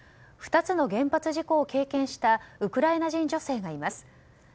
２つの原発事故を経験したウクライナ人女性がいます。